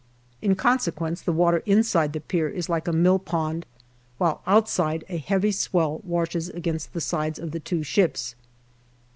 In consequence, the water inside the pier is like a millpond, while outside a heavy swell washes against the sides of the two ships.